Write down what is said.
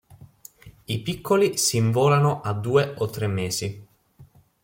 I piccoli si involano a due o tre mesi.